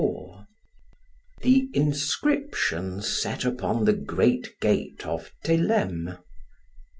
The inscription set upon the great gate of Theleme.